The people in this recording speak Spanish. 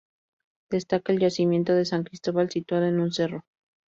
Destaca el yacimiento de San Cristóbal, situado en un cerro.